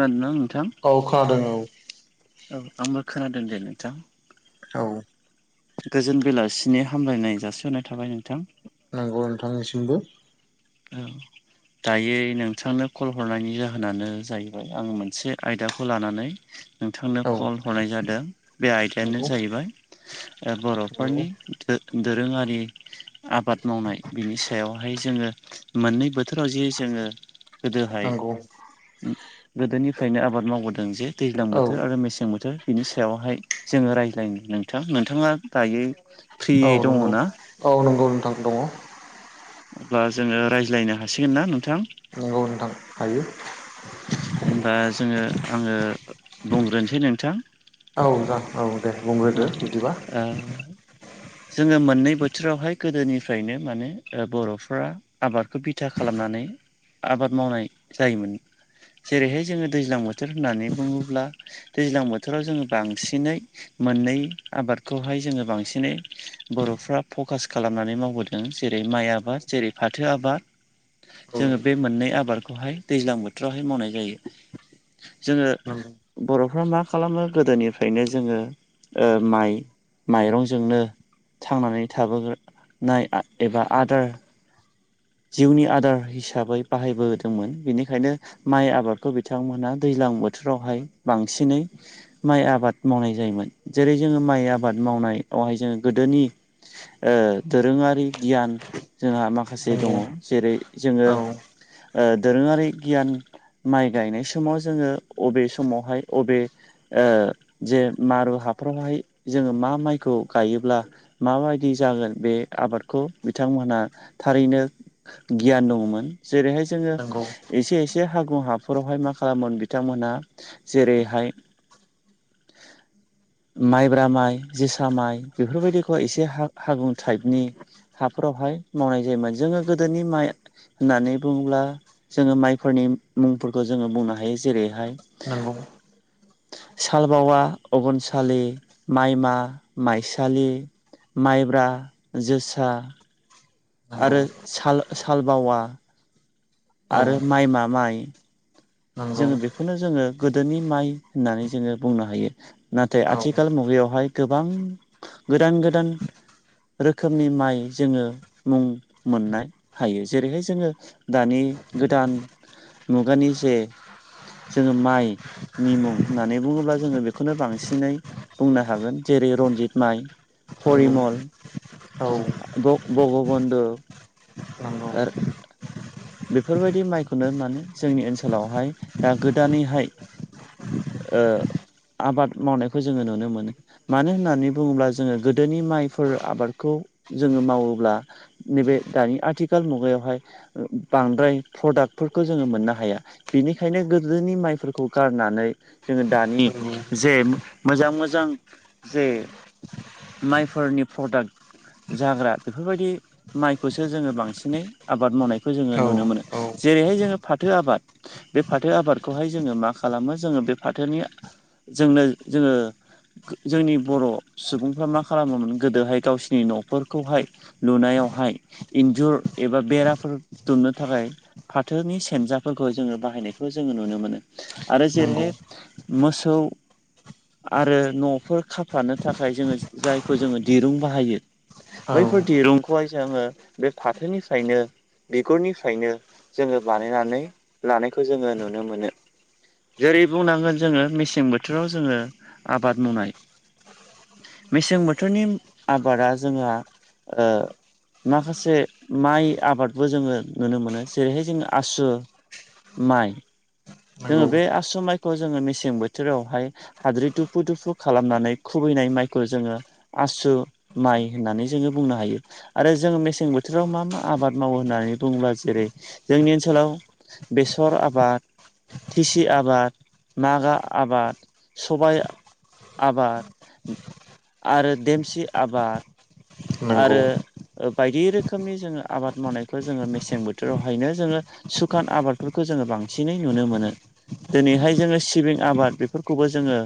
खोनादों ना नोंथां? औ खोनादों औ औ आंबो खोनादों दे नोंथां औ गोजोन बेलासिनि हामलायनाय जासिहरनाय थाबाय नोंथां नंगौ नोंथांनिसिमबो औ दायो नोंथांनो कल हरनायनि जाहोनानो जाहैबाय आं मोनसे आयदाखौ लानानै नोंथांनो औ कल हरनाय जादों बे आयदायानो नंगौ जाहैबाय नंगौ बर'फोरनि दोरोङारि आबाद मावनाय बिनि सायावहाय जोङो मोननै बोथोराव जे जोङो गोदोहाय नंगौ गोदोनिफ्रायनो आबाद मावबोदों जे दैज्लां औ बोथोर आरो मेसें बोथोर बिनि सायावहाय जोङो रायज्लायनो नोंथां नोंथाङा गाहायै औ नंगौ। औ नंगौ नोंथां दङ अब्ला जोङो रायज्लायनो हासिगोन ना नोंथां? नांगौ नोंथां हायो होनबा जोङो आङो बुंग्रोनोसै नोंथां औ जाग-औ दे बुंग्रोदो बिदिबा। ओ-जोङो मोननै बोथोरावहाय गोदोनिफ्रायनो माने ओ-बर'फ्रा आबादखौ बिथा खालामनानै आबाद मावनाय जायोमोन। जेरैहाय जोङो दैज्लां बोथोर होननानै बुङोब्ला दैज्लां बोथोराव जोङो बांसिनै मोननै आबादखौहाय जोङो बांसिनै बर'फ्रा फकास खालामनानै मावबोदों जेरै माइ आबाद जेरै फाथो आबाद। औ जोङो बे मोननै आबादखौहाय दैज्लां बोथोरावहाय मावनाय जायो जोङो। नंगौ बर'फ्रा मा खालामो गोदोनिफ्रायनो जोङो। ओ-माइ माइरंजोंनो थांनानै थाबोगो-नाय। एबा आदार जिउनि आदार हिसाबै बाहायबोदोंमोन बेनिखायनो। माइ आबादखौ बिथांमोनहा दैज्लां बोथोरावहाय बांसिनै माइ आबाद मावनाय जायोमोन जेरै जोङो माइ आबाद मावनायावहाय जोङो गोदोनि ओ-दोरोङारि गियान जोंहा माखासे नंगौ दङ जेरै जोङो औ ओ-दोरोङारि गियान माइ गायनाय समाव जोङो अबे समावहाय अबे ओ-जे मारु हाफ्रावहाय जोङो मा माइखौ गायोब्ला- माबायदि जागोन बे आबादखौ बिथांमोनहा थारैनो गियान दङमोन जेरैहाय जोङो नंगौ एसे एसे हागुं हाफोरावहाय मा खालामोन बिथांमोनहा जेरैहाय- [unintelligible] माइब्रा माइ जोसा माइ बेफोरबायदिखौ एसे हा-हागुं टाइपनि हाफोरावहाय मावनाय जायोमोन जोङो गोदोनि माइ होननानै बुङोब्ला जोङो माइफोरनि मुंफोरखौ जोङो बुंनो हायो जेरैहाय- नंगौ [unintelligible] सालबावा अबनसालि माइमा माइसालि। माइब्रा जोसा। नंगौ आरो साल-सालबावा। औ आरो माइमा माइ। नंगौ जोङो बेखौनो जोङो गोदोनि माइ होननानै जोङो बुंनो हायो। नाथाय औ आथिखाल मुगायावहाय गोबां गोदान गोदान रोखोमनि माइ जोङो मुं मोननाय हायो जेरैहाय जोङो दानि गोदान मुगानि जे जोङो माइ नि मुं होननानै बुङोब्ला जोङो बेखौनो बांसिनै बुंनो हागोन जेरै रनजित माइ। नंगौ फरिमल औ बग-भगबनध नंगौ आर बेफोरबायदि माइखौनो माने जोंनि ओनसोलावहाय दा गोदानैहाय ओ-आबाद मावनायखौ जोङो नुनो मोनो। मानो होननानै बुङोब्ला जोङो गोदोनि माइफोर आबादखौ जोङो मावोब्ला नैबे दानि आथिखाल मुगायावहाय बांद्राय प्रडाक्टफोरखौ जोङो मोननो हाया। बेनिखायनो गोदोनि माइफोरखौ गारनानै जोङो दानि नंगौ जे मोजां मोजां जे माइफोरनि प्रडाक्ट जाग्रा बेफोरबायदि माइखौसो जोङो बांसिनै आबाद मावनाय। खौ जोङो औ नुनो मोनो औ जेरैहाय जोङो फाथो आबाद। बे फाथो आबादखौहाय जोङो मा खालामो जोङो बे फाथोनि जोंनो जोङो गो-जोंनि बर सुबुंफ्रा मा खालामोमोन गोदोहाय गावसिनि न'खरखौहाय लुनायावहाय इन्जुर एबा बेराफोर दुमनो थाखाय फाथोनि सेनबजां फोरखौ जोङो बाहायनायखौ जोङो नुनो मोनो आरो नंगौ जेरैहाय मोसौ आरो न'फोर खाफ्रानो थाखाय जोङो जायखौ जोङो दिरुं बाहायो। औ बैफोर नंगौ दिरुं खौहाय जोङो बे फाथोनिफ्रायनो बिगुरनिफ्रायनो जोङो बानायनानै लानायखौ जोङो नुनो मोनो। जेरै बुंनांगोन जोङो मेसें बोथोराव जोङो आबाद मावनाय मेसें बोथोरनि आबादा जोंहा ओ माखासे माइ आबादबो जोङो नुनो मोनो जेरैहाय जोंङो आसु माइ जोङो नंगौ बे आसु माइखौ जोङो मेसें बोथोरावहाय हाद्रि दुफु दुफु खालामनानै खुबैनाय माइखौ जोङो आसु माइ होननानै जोङो बुंनो हायो। आरो जोङो मेसें बोथोराव मा मा आबाद मावो होननानै बुङोब्ला जेरै जोंनि ओनसोलाव बेसर आबाद दिसि आबाद मागा आबाद सबाय आबाद आरो देमसि आबाद नंगौ आरो बायदि रोखोमनि जोङो आबाद मावनायखौ जोङो मेसें बोथोरावहायनो जोङो सु खान आबादफोरखौ जोङो बांसिनै नुनो मोनो दिनैहाय जोङो सिबिं आबाद बेफोरखौबो जोङो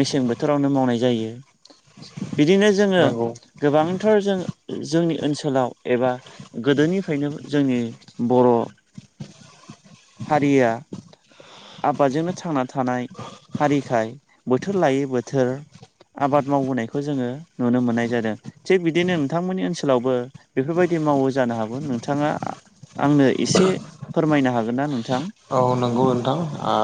मेसें बोथोरावनो मावनाय जायो बिदिनो जोङो गोबांथार जों जोंनि ओनसोलाव एबा गोदोनिफ्रायनो जोंनि बर' हारिया आबादजोंनो थांना थानाय हारिखाय बोथोर लायै बोथोर आबाद मावबोनायखौ जोङो नुनो मोननाय जादों। थिग बिदिनो नोंथांमोननि ओनसोलावबो बेफोरबायदि मावो जानो हागौ नोंथाङा आंनो एसे फोरमायनो हागोन ना नोंथां? औ नंगौ नोंथां आ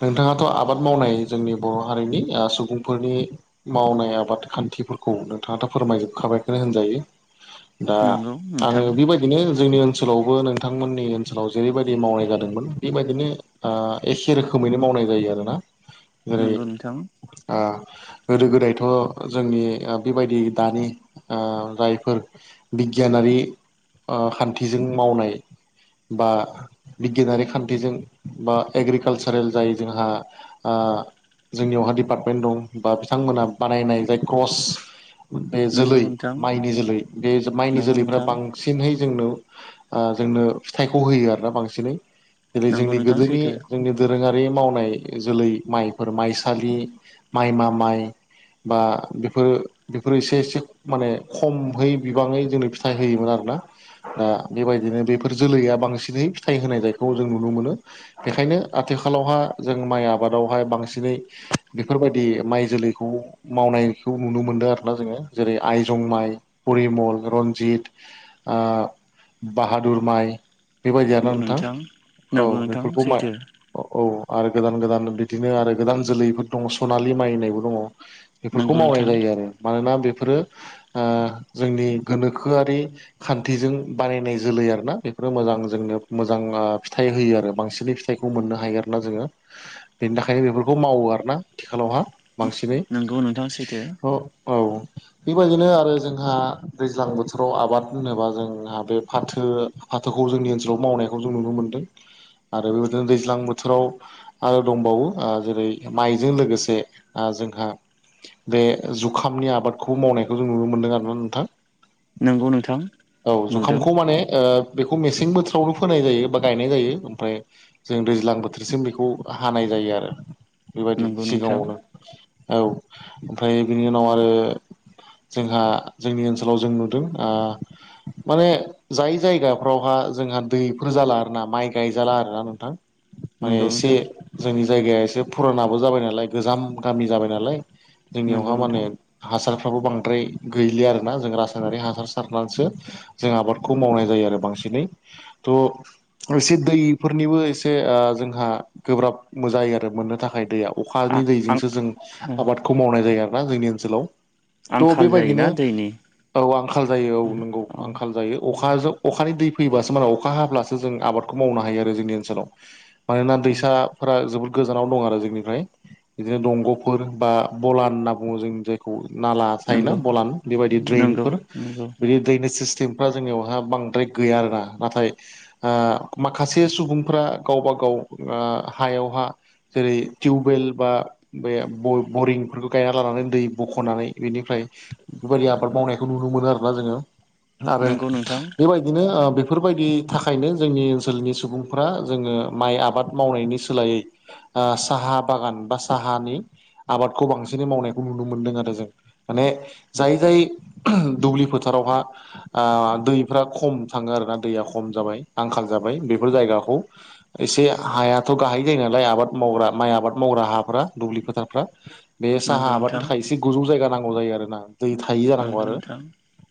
नोंथाङाथ आबाद मावनाय जोंनि बर हारिनि सुबुंफोरनि मावनाय आबाद खान्थिफोरखौ नोंथाङाथ फोरमाय जोबखाबायखौनो होनजायो। दा नंगौ आङो नोंथां बेबायदिनो जोंनि ओनसोलावबो नोंथांमोननि ओनसोलाव जेरैबायदि मावनाय जादों बेबायदिनो आ एखे रोखोमैनो मावनाय जायो आरोना। जेरै नंगौ नोंथां आं। गोदो गोदायथ जोंनि बेबायदि दानि ओ जायफोर बिगियानारि ओ खान्थिजों मावनाय बा बिगियानारि खान्थिजों बा एग्रिकालसारेल जाय जोंहा आ जोंनियावहा दिडिपार्टमेन्ट दं बा बिथांमोनहा बानायनाय जाय क्रस बे नंगौ जोलै नोंथां माइनि जोलै बे माइनि जोलैफ्रा बां सिनहै जोंनो ओ जोंनो फिथाइखौ होयो आरो ना बांसिनै जेरै नंगौ नोंथां नंगौ जोंनि नोंथां गोदोनि सैथो जोंनि दोरोङारि मावनाय जोलै माइफोर माइसालि माइमा माइ बा बेफोरो बेफोरो एसे एसे माने खमै बिबाङै जोंनो फिथाइ होयोमोन आरोना। दा बेबायदिनो बेफोर जोलैया बांसिनै फिथाइ होनाय जायखौ जों नुनो मोनो। बेखायनो आथिखालावहा जों माइ आबादावहाय बांसिनै बेफोरबायदि माइ जोलैखौ मावनायखौ नुनो मोनदों आरोना जोङो जेरै आइ जं माइ परिमल रनजित आ बाहादुर माइ बेबायदि ना नोंथां? औ नंगौ बेफोरखौ नोंथां मा सैथो औ आरो गोदान गोदान बिदिनो आरो गोदान जोलैफोर दङ सनालि माइनायबो दङ। बेफोरखौ नंगौ मावनाय नोंथां जायो आरो। मानोना बेफोरो जोंनि गोनोखोआरि खान्थिजों बानायनाय जोलै आरोना बेफोरो मोजां जोंनो मोजां ओ फिथाइ होयो आरो। बांसिनै फिथाइखौ मोननो हायो आरोना जोङो। बेनि थाखायनो बेफोरखौ मावो आरोना आथिखालाव हा। नोंगौ नोंथां सैथो। औ बेबायदिनो आरो जोंहा दैज्लां बोथोराव आबाद होनोबा जोंहा बे फाथो। फाथोखौ जोंनि ओनसोलाव मावनायखौ जों नुनो मोनदों। आरो बेबायदिनो दैज्लां बोथोराव आरो दंबावो आ जेरै माइजों लोगोसे आ जोंहा बे जुखामनि आबादखौ मावनायखौ जों नुनो मोनदों आरोना नोंथां। नंगौ नोंथां औ नुदों जुखामखौ माने ओ बेखौ मेसें बोथो फावनो फोनाय जायो, बा गायनाय जायो। ओमफ्राय जों दैज्लां बोथोरसिम बेखौ हानाय जायो आरो। बेबायदि नंगौ नोंथां सिगाङावनो औ ओमफ्राय बिनि उनाव आरो जोंहा जोंनि ओनसोलाव जों नुदों आ माने जाय जायगाफ्रावहा जोंहा दैफोरा जाला आरोना माइ गायजाला आरोना नोंथां। माइया नंगौ एसे नोंथां जोंनि जायगाया एसे फुरानाबो जाबाय नालाय गोजाम गामि जाबाय नालाय, जोंनियावहा नंगौ माने नोंथां हासारफ्राबो बांद्राय गैलिया आरोना। जों रासायनारि हासार सारनानैसो जों आबादखौ मावनाय जायो आरो बांसिनै। थ' अल सिद दैफोरनिबो एसे ओ जोंहा गोब्राब जायो आरो मोननो थाखाय दैयाव। अखानि दैजोंसो जों आं आबादखौ मावनाय जायो आरोना जोंनि ओनसोलाव। थ' आंखाल जायोना बेबायदिनो दैनि औ आंखाल जायो औ नोंगौ। औ आंखाल जायो। अखाजों अखानि दै फैबासो मानाव अखा हाब्लासो जों आबादखौ मावनो हायो आरो जोंनि ओनसोलाव। मानोना औ दैसाफोरा जोबोद गोजानाव दं आरो जोंनिफ्राय इदिनो दंग'फोर बा बलान होनना बुङो जोंनि जाय खौ नाला थायोना नंगौ बलान बेबायदि नंगौ द्रेनफोर नंगौ बिदि दैनि सिस थेमफ्रा जोंनियावहा बांद्राय गैया आरोना। नाथाय आ माखासे सुबुंफ्रा गावबा गाव आ हायावहा जेरै टिवबेल बा बे ब-बरिंफोरखौ गायना लानानै दै बख'नानै बेनिफ्राय बेबायदि आबाद मावनायखौ नुनो मोनो आरोना जोङो। आरो नंगौ नोंथां बेबाय दिनो ऐ बेफोरबायदि थाखायनो जोंनि ओनसोलनि सुबुंफ्रा जोङो माइ आबाद मावनायनि सोलायै आ साहा बागान बा साहानि आबादखौ बांसिनै मावनायखौ नुनो मोनदों आरो जों। माने जाय जाय दुब्लि फोथारावहा आ दैफ्रा खम थाङो आरोना। दैया खम जाबाय आंखाल जाबाय बेफोर जायगाखौ एसे हायाथ' गाहाय जायो नालाय आबाद मावग्रा माइ आबाद मावग्रा हाफ्रा दुब्लि फोथारफ्रा। बे साहा नंगौ आबादनि नोंथां थाखाय एसे गोजौ जायगा नांगौ जायो आरोना दै थायि जानांगौ नंगौ आरो। नोंथां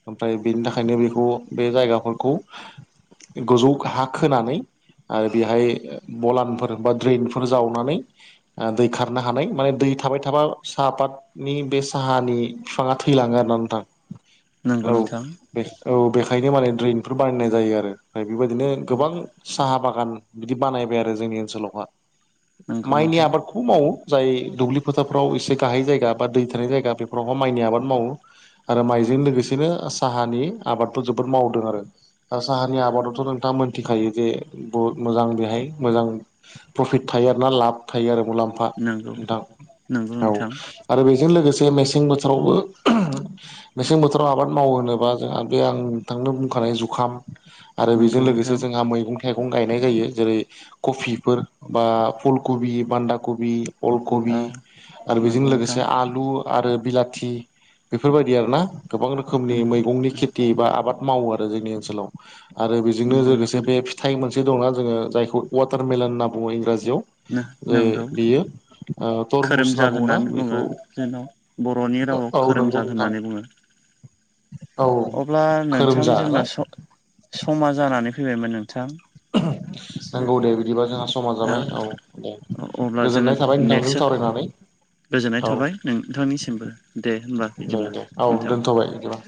ओमफ्राय बेनि थाखायनो बेखौ बे जायगाफोरखौ ए गोजौ हा खोनानै आ दैहाय ओ बलानफोर बा ड्रेनफोर जावनानै आ दै खारनो हानाय माने दै थाबाय थाबा साफाथ नि बे साहानि फिफाङा थैलाङो आरोना नोंथां। नंगौ औ नोंथां बे औ बेखायनो माने ड्रिनफोर बानायनाय जायो आरो। ओमफ्राय बेबायदिनो गोबां साहा बागान बिदि बानायबाय आरो जोंनि ओनसोलावहा। नंगौ माइनि नोंथां आबाद खौ मावो जाय दुब्लि फोथारफ्राव एसे गाहायै जायगा बा दै थानाय जायगा बेफोरावहाय माइनि आबाद मावो। आरो माइजों लोगोसेनो साहानि आबादफोर जोबोद मावदों आरो। ओ साहा नि आबादावथ' नोंथाङा मोनथिखायो जे बहुत मोजां बेहाय मोजां प्रफिट थायो आरो ना लाब थायो आरो मुलाम्फा नंगौ नोंथां। नंगौ औ नोंथां आरो बेजों लोगोसे मेसें बोथोरावबो मेसें बोथोराव आबाद मावो होनोबा जोंहा बे आं नोंथांनो बुंखानाय जुखाम आरो नंगौ बेजों लोगोसे नोंथां जोंहा मैगं थाइगं गायनाय जायो जेरै कबिफोर बा फुल कबि बान्दा कबि। अल कबि औ आरो बेजों नंगौ नोंथां लोगोसे आलु आलु आरो बिलाथि बेफोरबायदि आरोना गोबां रोखोमनि मैगंनि खेथि बा आबाद मावो आरो जोंनि ओनसोलाव आरो बेजोंनो नंगौ लोगोसे नोंथां बे थाइ मोनसे दंना जोङो जायखौ वाटारमेलन होनना बुङो इंराजियाव नंगौ बियो तरमुस होनना खोरोमजाल बुङोना होननानै बुङो बेखौ जोंनाव बर'नि रावाव औ नंगौ खोरोमजाग नोंथां होननानै बुङो। औ अब्ला नोंथां खोरोमजा जोंना ना समा जानानै फैबायमोन नोंथां। नांगौ दे बिदिबा जोंहा समा जाबाय औ दे। अब्ला जोङो गोजोननाय थाबाय नोंथांजोंम नेक्स्ट सावरायनानै। गोजोननाय औ थाबाय नोंथांनिसिमबो दे हबा दे बिदिब्ला दे औ नोंथां। दोनथ'बाय बिदिबा